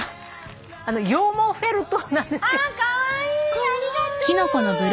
羊毛フェルトなんですけど。